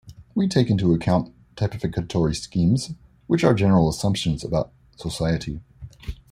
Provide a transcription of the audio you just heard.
We take into account typificatory schemes, which are general assumptions about society.